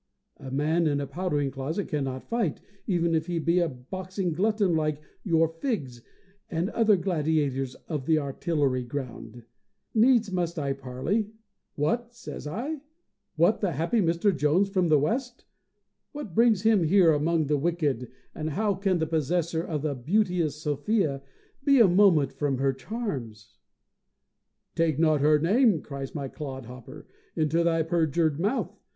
A man in a powdering closet cannot fight, even if he be a boxing glutton like your Figs and other gladiators of the Artillery Ground. Needs must I parley. "What," says I, "what, the happy Mr. Jones from the West! What brings him here among the wicked, and how can the possessor of the beauteous Sophia be a moment from her charms?" "Take not her name," cries my clod hopper, "into thy perjured mouth.